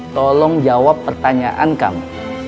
tolong jawab pertanyaan kami